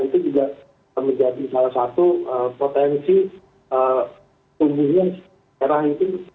itu juga menjadi salah satu potensi kemudian era ini